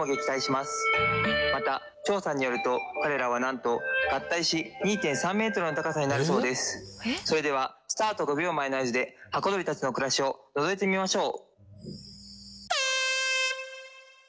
また調査によると彼らはなんとそれではスタート５秒前の合図で箱鳥たちの暮らしをのぞいてみましょう。